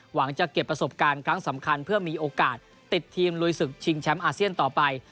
หวังจะเก็บประสบการณ์ครั้งสำคัญเพื่อมีโอกาสติดทีมลุยศึกชิงแชมป์อาเซียนต่อไป